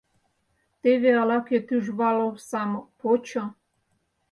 Теве ала-кӧ тӱжвал омсам почо.